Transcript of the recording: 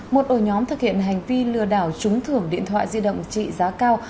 một ổ nhóm thực hiện hành vi lừa đảo trúng thưởng điện thoại di động trị giá cao